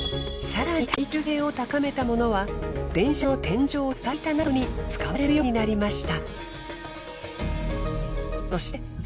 更に耐久性を高めたものは電車の天井や床板などに使われるようになりました。